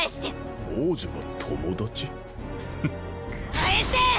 返せ！